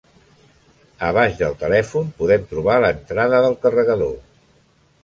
A baix del telèfon podem trobar l'entrada del carregador.